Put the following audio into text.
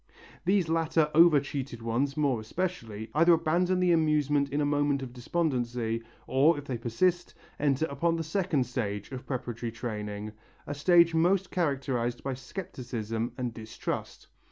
These latter over cheated ones, more especially, either abandon the amusement in a moment of despondency or, if they persist, enter upon the second stage of preparatory training, a stage mostly characterized by scepticism and distrust.